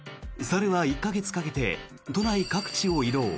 猿は１か月かけて都内各地を移動。